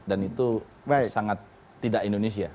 dan itu sangat tidak indonesia